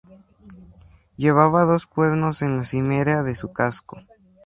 Llevaba dos cuernos en la cimera de su casco.